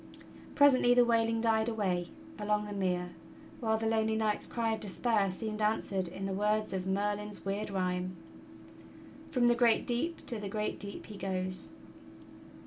Presently the wailing died away along the mere, while the lonely knight's cry of despair seemed answered in the words of Merlin's weird rhyme: "From the great deep to the great deep he goes."